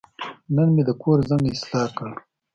نن مې د کور زنګ اصلاح کړ.